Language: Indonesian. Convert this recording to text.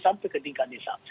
sampai ke tingkat desa